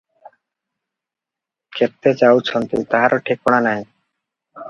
କେତେ ଯାଉଛନ୍ତି, ତାହାର ଠିକଣା ନାହିଁ ।